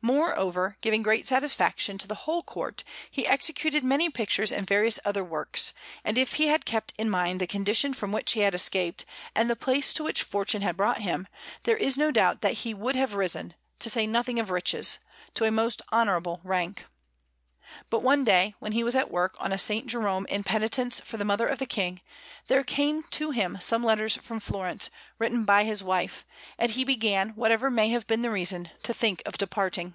Moreover, giving great satisfaction to the whole Court, he executed many pictures and various other works; and if he had kept in mind the condition from which he had escaped and the place to which fortune had brought him, there is no doubt that he would have risen to say nothing of riches to a most honourable rank. But one day, when he was at work on a S. Jerome in Penitence for the mother of the King, there came to him some letters from Florence, written by his wife; and he began, whatever may have been the reason, to think of departing.